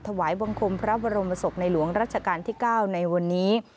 ถวายบังคมพระบรมศพในหลวงรัชกาลที่๙ในวันนี้